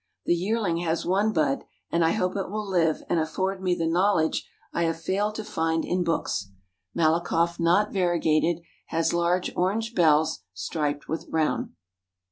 The yearling has one bud, and I hope it will live and afford me the knowledge I have failed to find in books. Malakoff not variegated, has large orange bells, striped with brown.